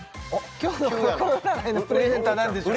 今日のコロコロ占いのプレゼントは何でしょう？